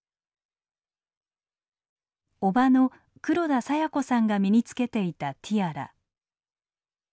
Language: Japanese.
叔母の黒田清子さんが身につけていたティアラ。